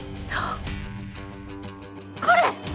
これ！